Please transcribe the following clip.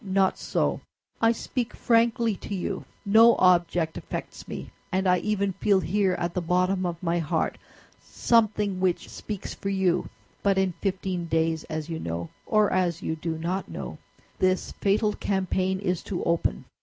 "Not so; I speak frankly to you. No object affects me; and I even feel here, at the bottom of my heart, something which speaks for you. But in fifteen days, as you know, or as you do not know, this fatal campaign is to open.